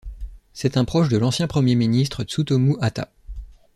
C'est un proche de l'ancien Premier ministre Tsutomu Hata.